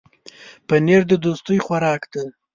پنېر د دوستۍ خوراک دی.